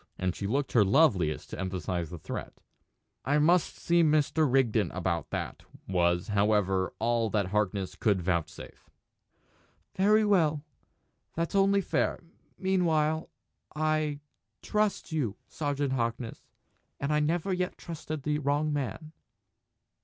And she looked her loveliest to emphasise the threat. "I must see Mr. Rigden about that," was, however, all that Harkness would vouchsafe. "Very well! That's only fair. Meanwhile I trust you, Sergeant Harkness. And I never yet trusted the wrong man!"